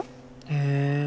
へえ。